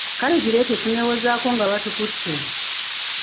Kale gireete tuneewozaako nga batukutte.